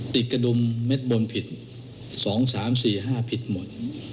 กระดุมเม็ดบนผิด๒๓๔๕ผิดหมด